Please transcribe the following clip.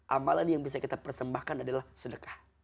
amalan yang bisa kita persembahkan adalah sedekah